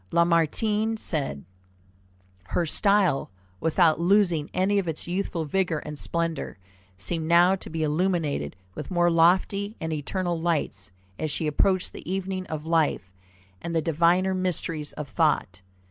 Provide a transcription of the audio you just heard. Lamartine said: "Her style, without losing any of its youthful vigor and splendor, seemed now to be illuminated with more lofty and eternal lights as she approached the evening of life, and the diviner mysteries of thought.